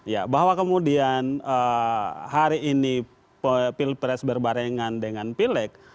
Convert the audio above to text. ya bahwa kemudian hari ini pilpres berbarengan dengan pileg